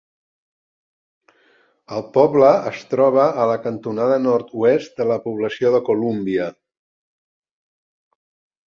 El poble es troba a la cantonada nord-oest de la població de Columbia.